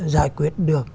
giải quyết được